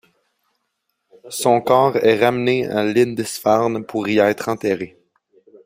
Son corps est ramené à Lindisfarne pour y être enterré.